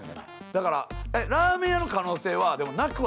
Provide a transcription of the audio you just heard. だからラーメン屋の可能性はなくはないよ。